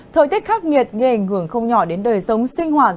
thời tiết khắc nghiệt gây ảnh hưởng không nhỏ đến đời sống sinh hoạt